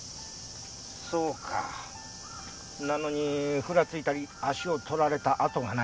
そうかなのにふらついたり足を取られた跡がない。